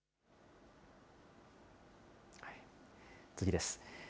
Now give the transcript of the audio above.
次です。